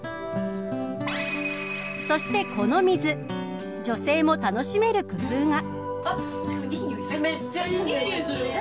そしてこの水女性も楽しめる工夫が。